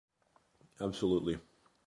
Absolutely.